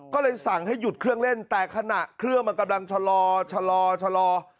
ก็เลยสั่งให้หยุดเครื่องเล่นแต่ขณะเครื่องมันกำลังชะลอชะลอชะลอ